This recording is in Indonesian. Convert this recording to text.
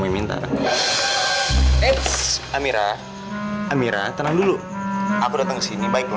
w sama dengan usaha